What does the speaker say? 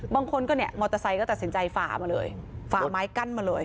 บางคนก็เนี่ยมอเตอร์ไซค์ก็ตัดสินใจฝ่ามาเลยฝ่าไม้กั้นมาเลย